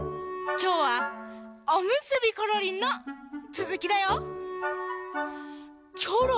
きょうは「おむすびころりん」のつづきだよ。